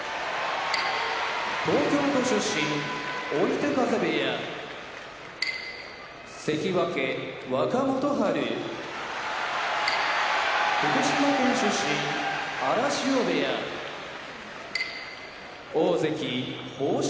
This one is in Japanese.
東京都出身追手風部屋関脇・若元春福島県出身荒汐部屋大関豊昇